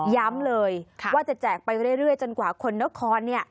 ย้ำเลยว่าจะแจกไปเรื่อยจนกว่าคนนครเนี่ย